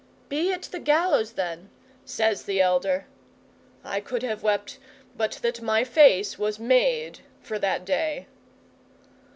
'"Be it the gallows, then," says the elder. (I could have wept, but that my face was made for the day.)